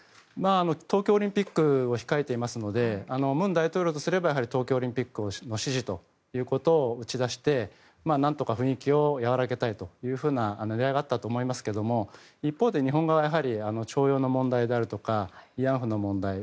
東京オリンピックを控えていますので文大統領とすれば東京オリンピックの支持を打ち出してなんとか雰囲気を和らげたいという狙いがあったと思いますけども一方で日本側は徴用の問題であるとか慰安婦の問題